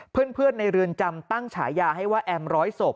เพื่อนในเรือนจำตั้งฉายาให้ว่าแอมร้อยศพ